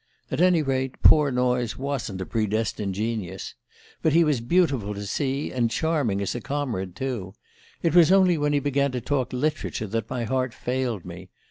At any rate, poor Noyes wasn't a predestined genius. But he was beautiful to see, and charming as a comrade too. It was only when he began to talk literature that my heart failed me.